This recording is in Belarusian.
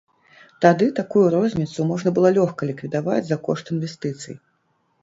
Тады такую розніцу можна было лёгка ліквідаваць за кошт інвестыцый.